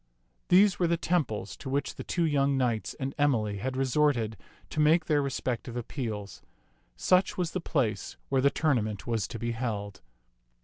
These were the temples to which the two young knights and Emily had resorted to make their respect ive appeals. Such was the place where the tourna ment was to be held.